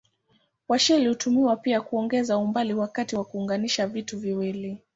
Washeli hutumiwa pia kuongeza umbali wakati wa kuunganisha vitu viwili.